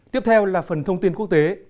tiếp theo là phần thông tin quốc tế